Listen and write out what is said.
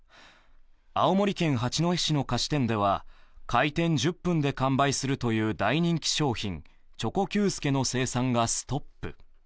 青森県八戸市の菓子店では開店１０分で完売するという大人気商品、チョコＱ助の生産がストップ。